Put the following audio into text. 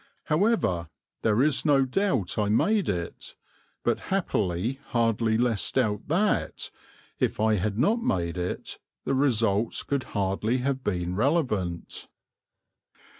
However, there is no doubt I made it, but happily hardly less doubt that, if I had not made it, the results could hardly have been relevant.